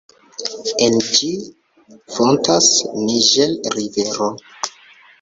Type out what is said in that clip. En ĝi fontas Niĝer-rivero.